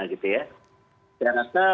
gitu ya dan asal